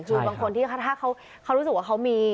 คือบางคนที่ถ้าเขารู้สึกว่าเขามี